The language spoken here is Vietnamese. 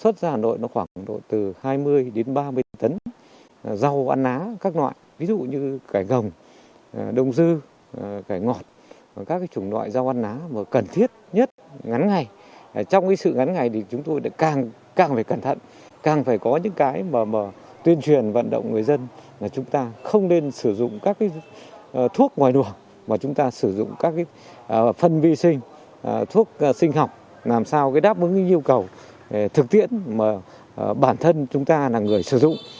thuốc sinh học làm sao đáp ứng những nhu cầu thực tiễn mà bản thân chúng ta là người sử dụng